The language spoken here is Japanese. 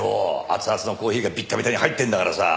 熱々のコーヒーがビッタビタに入ってるんだからさ。